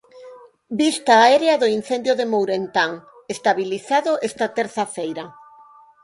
Vista aérea do incendio de Mourentán, estabilizado esta terza feira.